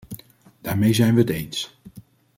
Daarmee zijn wij het eens.